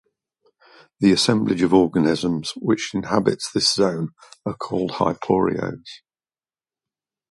The assemblage of organisms which inhabits this zone are called hyporheos.